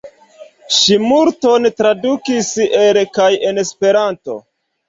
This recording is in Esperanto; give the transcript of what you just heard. Ŝi multon tradukis el kaj en Esperanto.